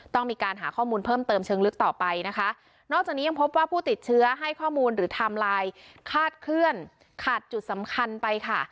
ต้องมีการหาข้อมูลเพิ่มเติมเชิงลึกต่อไปนะคะนอกจากนี้ยังพบว่าผู้ติดเชื้อให้ข้อมูลหรือไทม์ไลน์คาดเคลื่อนขาดจุดสำคัญไปค่ะ